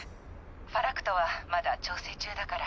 ファラクトはまだ調整中だから。